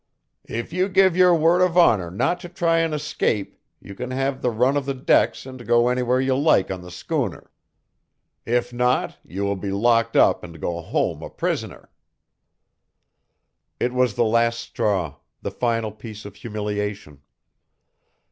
"If you give your word of honor not to try and escape you can have the run of the decks and go anywhere you like on the schooner. If not, you will be locked up and go home a prisoner." It was the last straw, the final piece of humiliation.